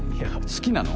好きなの？